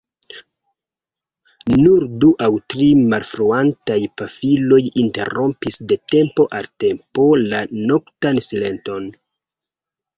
Nur du aŭ tri malfruantaj pafiloj interrompis de tempo al tempo la noktan silenton.